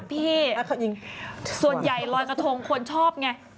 ครับพี่ส่วนใหญ่ลอยกะทงคนชอบไง